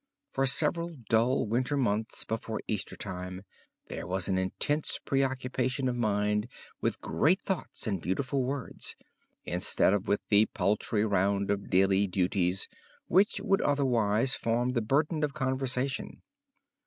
For several dull winter months before Easter time there was an intense preoccupation of mind with great thoughts and beautiful words, instead of with the paltry round of daily duties, which would otherwise form the burden of conversation.